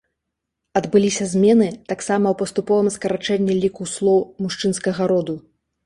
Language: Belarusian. Адбыліся змены таксама ў паступовым скарачэнні ліку слоў мужчынскага роду.